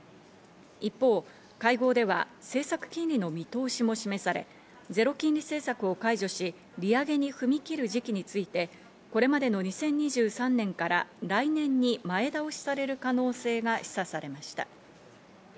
一方、会合では政策金利の見通しも示され、ゼロ金利政策を解除し、利上げに踏み切る時期について、これまでの２０２３年から来年に前倒しされる可能性が示唆されました。